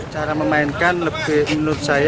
cara memainkan lebih menurut saya